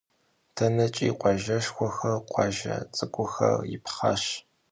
Deneç'i khuajjeşşxuexer, khuajje ts'ık'uxer yipxhaş.